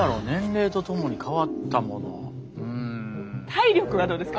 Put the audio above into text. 体力はどうですか？